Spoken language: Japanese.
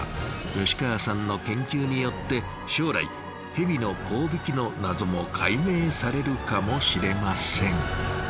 吉川さんの研究によって将来ヘビの交尾器のナゾも解明されるかもしれません。